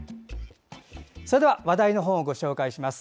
それでは話題の本をご紹介します